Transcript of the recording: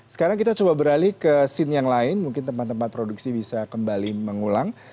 sekarang kita coba beralih ke scene yang lain mungkin tempat tempat produksi bisa kembali mengulang